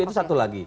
itu satu lagi